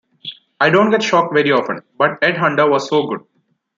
I don't get shocked very often, but "Ed Hunter" was so good.